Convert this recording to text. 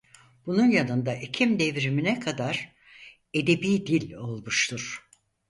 Bunun yanında Ekim Devrimi'ne kadar edebi dil olmuştur.